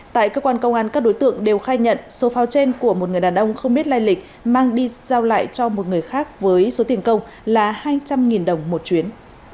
tại cơ quan công an các đối tượng đều khai nhận số pháo trên của một người đàn ông không biết lai lịch mang đi giao lại cho một người khác với số tiền công là hai trăm linh đồng một chuyến